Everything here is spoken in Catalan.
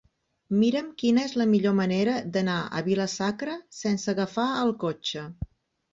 Mira'm quina és la millor manera d'anar a Vila-sacra sense agafar el cotxe.